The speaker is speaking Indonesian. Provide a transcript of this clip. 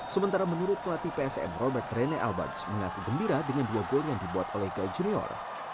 sementara menurut pelatih psm robert rene albajs mengaku gembira dengan dua gol yang dibuat oleh gai junior